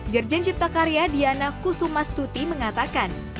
jernjen cipta karya diana kusuma stuti mengatakan